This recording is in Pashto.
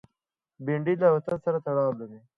بېنډۍ له وطن سره تړاو لري